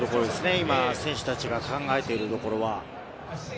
今、選手たちが考えているところは。